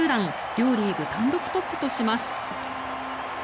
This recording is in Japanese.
両リーグ単独トップとします。